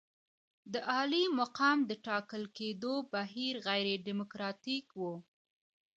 د عالي مقام د ټاکل کېدو بهیر غیر ډیموکراتیک وو.